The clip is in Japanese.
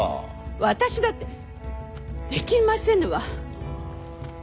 私だってできませぬわ。